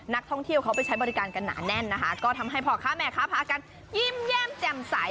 นักท่องเที่ยวเขาไปใช้บริการกันหนาแน่นนะคะก็ทำให้พ่อค้าแม่ค้าพากันยิ้มแย้มแจ่มใส